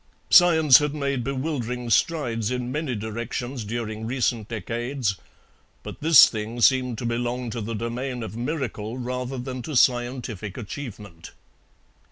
Science had made bewildering strides in many directions during recent decades, but this thing seemed to belong to the domain of miracle rather than to scientific achievement.